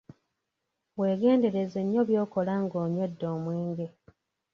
Weegendereze nnyo byokola ng'onywedde omwenge.